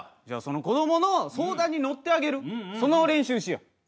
じゃあその子供の相談に乗ってあげるその練習しよう。